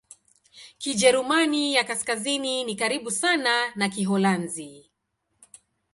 Kijerumani ya Kaskazini ni karibu sana na Kiholanzi.